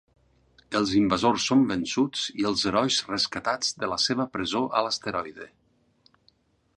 Els invasors són vençuts i els herois rescatats de la seva presó a l'asteroide.